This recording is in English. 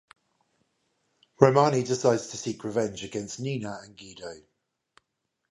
Romani decides to seek revenge against Nina and Guido.